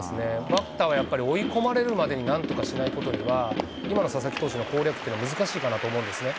バッターはやっぱり追い込まれるまでになんとかしないことには、今の佐々木投手の攻略というのは難しいかなと思うんですね。